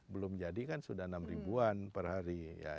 belum jadi kan sudah enam ribuan perhari